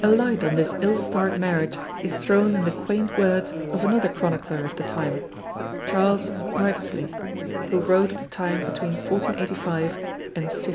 A light on this ill starred marriage is thrown in the quaint words of another chronicler of the time, Charles Wriothesley, who wrote of the time between 1485 and 1559.